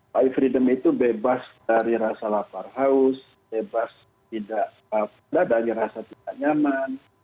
bi freedom itu bebas dari rasa lapar haus bebas tidak dari rasa tidak nyaman